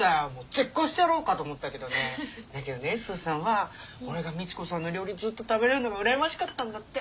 絶交してやろうかと思ったけどねだけどねスーさんは俺がみち子さんの料理ずっと食べられるのがうらやましかったんだって。